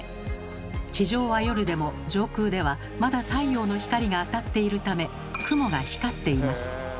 地上は夜でも上空ではまだ太陽の光が当たっているため雲が光っています。